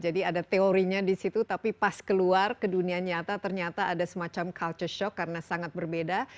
jadi ada teorinya di situ tapi pas keluar ke dunia nyata ternyata ada semacam shock kultur karena sangat berbeda